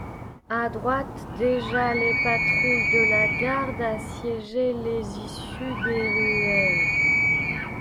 A droite, déjà les patrouilles de la garde assiégeaient les issues des ruelles.